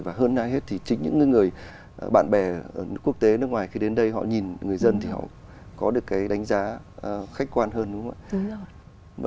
và hơn ai hết thì chính những người bạn bè quốc tế nước ngoài khi đến đây họ nhìn người dân thì họ có được cái đánh giá khách quan hơn đúng không ạ